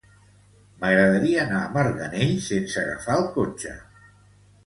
M'agradaria anar a Marganell sense agafar el cotxe.